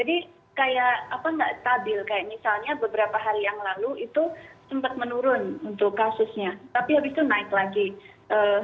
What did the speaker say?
jadi kayak apa nggak stabil kayak misalnya beberapa hari yang lalu itu sempat menurun untuk kasusnya tapi habis itu naik lagi